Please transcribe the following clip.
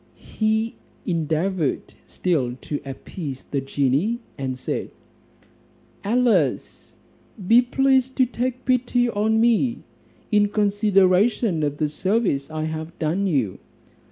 He endeavoured still to appease the genie, and said, "Alas! be pleased to take pity on me, in consideration of the service I have done you."